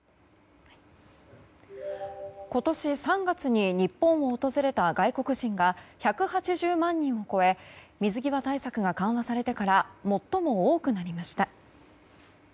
今年３月に日本を訪れた外国人が１８０万人を超え水際対策が緩和されてから最も多くなりました。